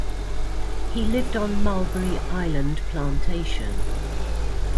He lived on Mulberry Island Plantation.